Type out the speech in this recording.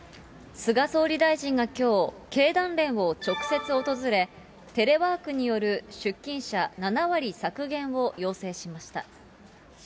菅総理大臣がきょう、経団連を直接訪れ、テレワークによる出勤者７割削減を要請しました。